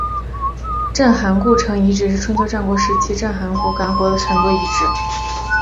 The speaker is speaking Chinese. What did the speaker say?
郑韩故城遗址是春秋战国时期郑国及韩国都城的遗址。